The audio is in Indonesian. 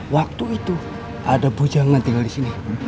waktu itu ada bujang yang tinggal disini